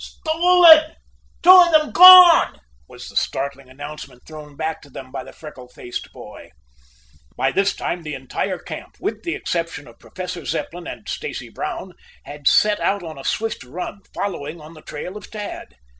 "Stolen! Two of them gone!" was the startling announcement thrown back to them by the freckle faced boy. By this time the entire camp, with the exception of Professor Zepplin and Stacy Brown, had set out on a swift run, following on the trail of Tad.